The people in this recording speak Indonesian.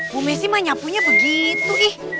bu messi menyapu begitu